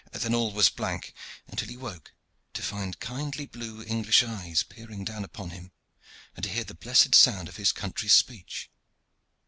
Then all was blank, until he woke to find kindly blue English eyes peering down upon him and to hear the blessed sound of his country's speech.